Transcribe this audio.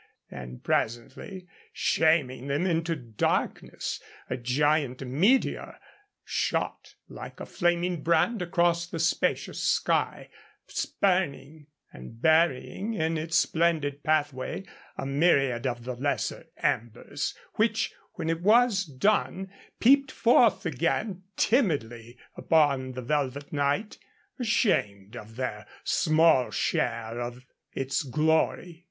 And presently, shaming them into darkness, a giant meteor shot like a flaming brand across the spacious sky, spurning and burying in its splendid pathway a myriad of the lesser embers; which, when it was done, peeped forth again timidly upon the velvet night, ashamed of their small share in its glory.